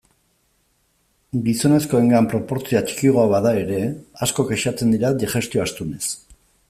Gizonezkoengan proportzioa txikiagoa bada ere, asko kexatzen dira digestio astunez.